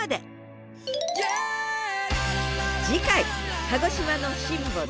次回鹿児島のシンボル